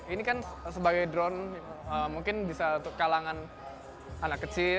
ini kan sebagai drone mungkin bisa untuk kalangan anak kecil